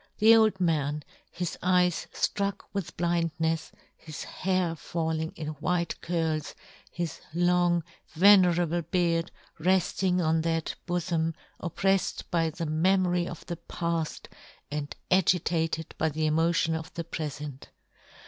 The old man, his eyes ftruck with blind nefs, his hair falling in white curls, his long venerable beard refting on that bofom, oppreffed by the memory of the paft, and agitated by the emo tion of the prefent